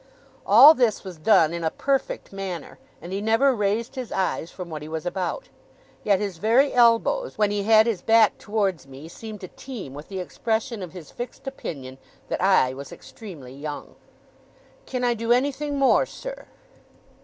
All this was done in a perfect manner, and he never raised his eyes from what he was about. Yet his very elbows, when he had his back towards me, seemed to teem with the expression of his fixed opinion that I was extremely young. 'Can I do anything more, sir?